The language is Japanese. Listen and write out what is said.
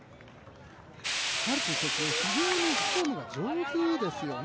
マルティン選手、非常にフォームが上手ですよね。